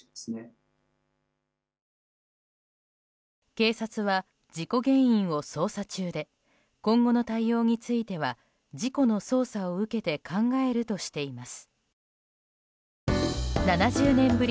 警察は事故原因を捜査中で今後の対応については事故の捜査を受けて考えるとしています。